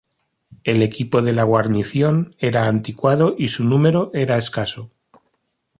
El equipo de la guarnición era anticuado y su número era escaso.